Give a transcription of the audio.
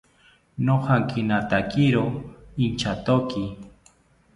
Nojankinatakiro inchatoki